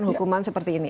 bukan hukuman seperti ini